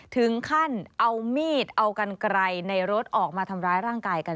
ถึงขั้นเอามีดเอากันไกลในรถออกมาทำร้ายร่างกายกัน